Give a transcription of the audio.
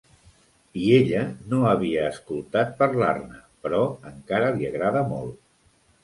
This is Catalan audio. I ella no havia escoltat parlar-ne, però encara li agrada molt.